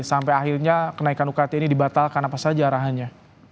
sampai akhirnya kenaikan ukt ini dibatalkan apa saja arahannya